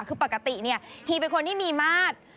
คือปกติเนี่ยทีเป็นคนที่มีมาตร